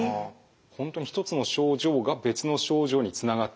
本当に一つの症状が別の症状につながって。